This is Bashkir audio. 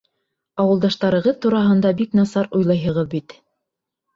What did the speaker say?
Ауылдаштарығыҙ тураһында бик насар уйлайһығыҙ бит.